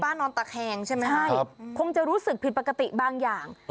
นอนตะแคงใช่ไหมใช่คงจะรู้สึกผิดปกติบางอย่าง